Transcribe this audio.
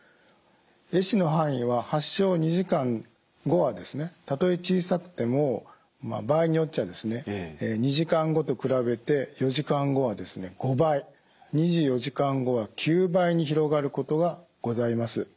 え死の範囲は発症２時間後はたとえ小さくても場合によっては２時間後と比べて４時間後は５倍２４時間後は９倍に広がることがございます。